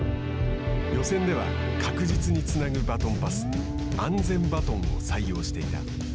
予選では確実につなぐバトンパス安全バトンを採用していた。